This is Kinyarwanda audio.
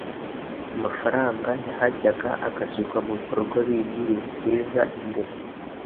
amafaranga yahajyaga agashyirwa mu bikorwa bindi biruteza imbere